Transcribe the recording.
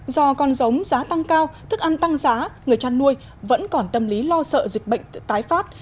do con giống giá tăng cao thức ăn tăng giá người chăn nuôi vẫn còn tâm lý lo sợ dịch bệnh tái phát